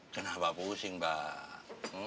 kenapa pusing pak